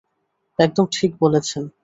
একদম ঠিক বলছেন।